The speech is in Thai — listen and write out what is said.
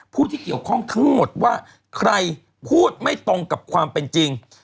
ผู้ที่เกี่ยวข้องทั้งหมดว่าใครพูดไม่ตรงกับความเป็นจริง